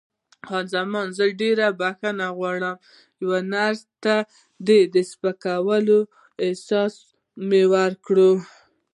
خان زمان: زه ډېره بښنه غواړم، یوې نرسې ته د سپکاوي احساس مې وکړ.